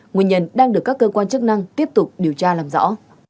nguyên nhân đang được các cơ quan chức năng tiếp tục điều tra làm rõ